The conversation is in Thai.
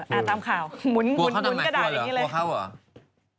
เออตามข่าวหมุนกระดาษอย่างนี้เลย